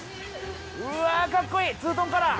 うわかっこいいツートンカラー。